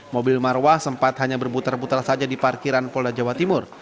mobil marwah sempat hanya berputar putar saja di parkiran polda jawa timur